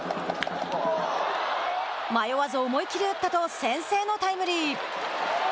迷わず思い切り打ったと先制のタイムリー。